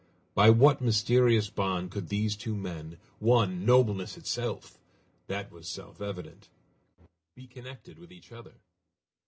By what mysterious bond could these two men one nobleness itself, that was self evident be connected with each other?